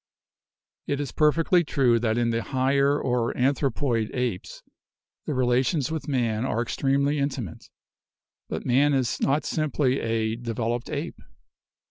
"It is perfectly true that in the higher or anthropoid apes the relations with man are extremely intimate; but ORIGIN OF SPECIES 133 man is not simply 'a developed ape.'